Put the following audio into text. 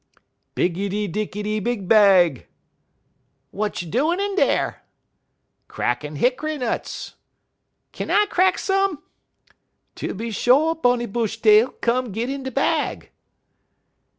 "'Biggidy Dicky Big Bag!' "'What you doin' in dar?' "'Crackin' hick'y nuts.' "'Kin I crack some?' "'Tooby sho', Miss Bunny Bushtail; come git in de bag.'